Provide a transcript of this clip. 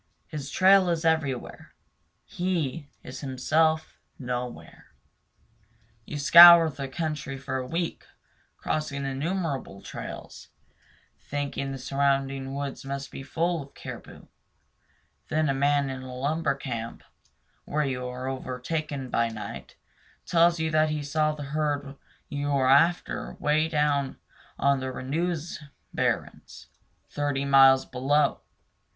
His trail is everywhere; he is himself nowhere. You scour the country for a week, crossing innumerable trails, thinking the surrounding woods must be full of caribou; then a man in a lumber camp, where you are overtaken by night, tells you that he saw the herd you are after 'way down on the Renous barrens, thirty miles below.